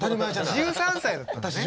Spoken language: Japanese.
１３歳だったんだね。